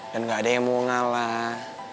dan gak ada yang mau ngalah